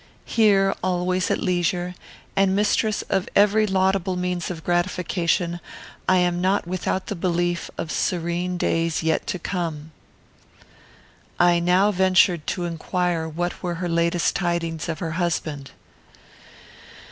Here, always at leisure, and mistress of every laudable means of gratification, I am not without the belief of serene days yet to come." I now ventured to inquire what were her latest tidings of her husband.